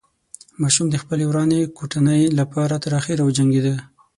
ماشوم د خپلې ورانې کوټنۍ له پاره تر اخره وجنګېده.